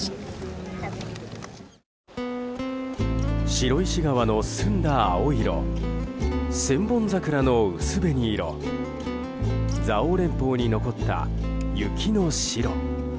白井市川の澄んだ青色千本桜の薄紅色蔵王連峰に残った雪の白。